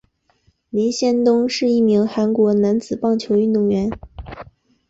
林仙东是一名韩国男子棒球运动员。